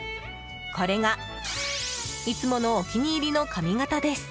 これがいつものお気に入りの髪形です。